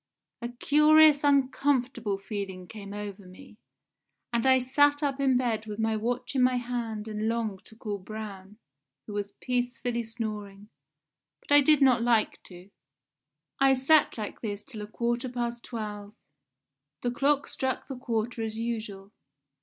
"A curious uncomfortable feeling came over me, and I sat up in bed with my watch in my hand and longed to call Braun, who was peacefully snoring, but I did not like to. I sat like this till a quarter past twelve; the clock struck the quarter as usual.